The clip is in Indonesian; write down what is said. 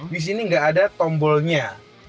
disini gak ada tombolnya